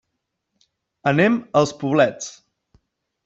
Anem als Poblets.